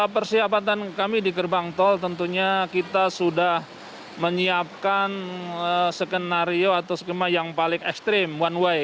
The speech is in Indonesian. persiapan kami di gerbang tol tentunya kita sudah menyiapkan skenario atau skema yang paling ekstrim one way